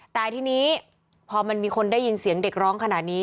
แต่ทีนี้พอมันมีคนได้ยินเสียงเด็กร้องขนาดนี้